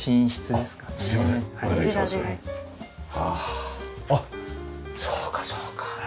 ああっそうかそうか。